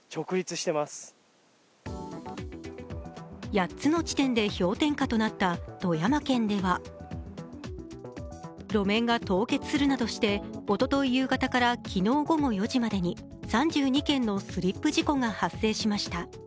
８つの地点で氷点下となった富山県では、路面が凍結するなどしておととい夕方から昨日午後４時までに３２件のスリップ事故が発生しました。